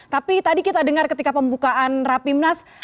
tapi tadi kita dengar ketika pembukaan rapimnas